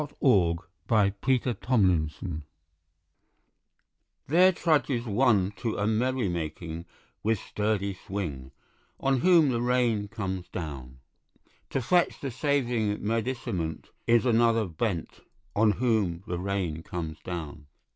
Thomas Hardy An Autumn Rain Scene THERE trudges one to a merry making With sturdy swing, On whom the rain comes down. To fetch the saving medicament Is another bent, On whom the rain comes down.